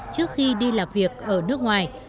trước khi đi làm việc ở nước ngoài